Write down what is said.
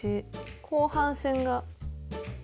後半戦が。